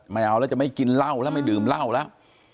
ไม่เอาแล้วจะไม่กินเหล้าแล้วไม่ดื่มเหล้าแล้ว